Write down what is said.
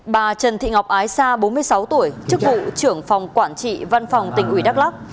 bà trần thị ngọc ái sa bốn mươi sáu tuổi chức vụ trưởng phòng quản trị văn phòng tỉnh ủy đắk lắc